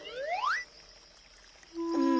うん。